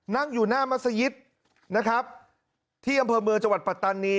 นั่งอยู่หน้ามัศยิตนะครับที่อำเภอเมืองจังหวัดปัตตานี